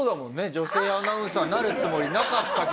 女性アナウンサーになるつもりなかったけど。